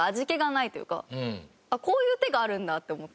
こういう手があるんだって思って。